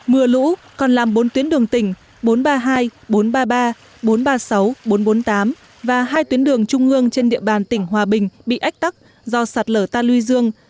mưa lũ còn làm bốn tuyến đường tỉnh bốn trăm ba mươi hai bốn trăm ba mươi ba bốn trăm ba mươi sáu bốn trăm bốn mươi tám và hai tuyến đường trung ương trên địa bàn tỉnh hòa bình bị ách tắc do sạt lở ta luy dương